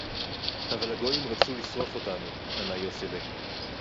"אֲבָל הַגּוֹיִים רָצוּ לִשְׂרֹף אוֹתָנוּ," עָָנָה יוֹסִי’לִי